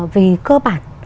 vì cơ bản